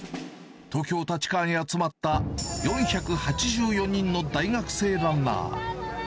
東京・立川に集まった４８４人の大学生ランナー。